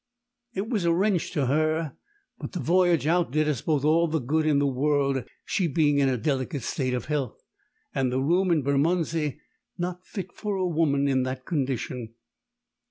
It was a wrench to her, but the voyage out did us both all the good in the world, she being in a delicate state of health, and the room in Bermondsey not fit for a woman in that condition."